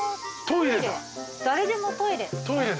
誰でもトイレ。